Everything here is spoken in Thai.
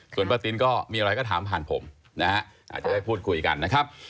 ส่วนป้าตินก็มีอะไรก็ถามผ่านผมนะฮะอาจจะได้พูดคุยกันนะครับ